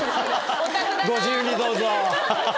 ご自由にどうぞ。